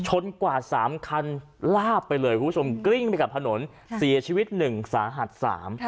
กว่าสามคันลาบไปเลยคุณผู้ชมกลิ้งไปกับถนนเสียชีวิตหนึ่งสาหัสสาม